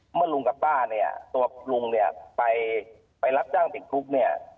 เมื่อลุงกับป้าเนี่ยตัวลุงเนี่ยไปรับจ้างติดคุกเนี่ย